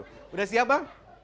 sudah siap bang